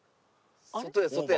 外や外や。